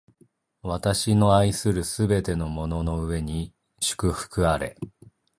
私の愛するすべてのものの上に祝福あれ！